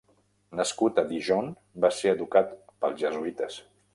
Nascut a Dijon, va ser educat pels jesuïtes.